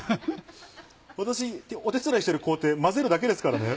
私お手伝いしてる工程混ぜるだけですからね？